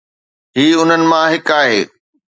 هي انهن مان هڪ آهي.